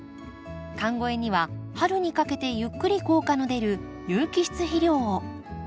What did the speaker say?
寒肥には春にかけてゆっくり効果の出る有機質肥料を。